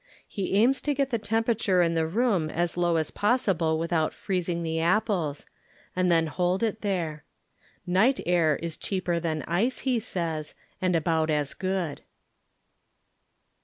He aims to get the temperature in the room as low as possible without freez it^ the apples, and then hold it there. Night air IS cheaper than ice, he says, and about as good.